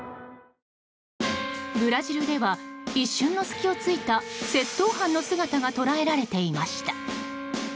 ブラジルでは一瞬の隙を突いた窃盗犯の姿が捉えられていました。